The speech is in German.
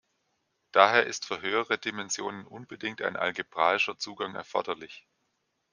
Daher ist für höhere Dimensionen unbedingt ein algebraischer Zugang erforderlich.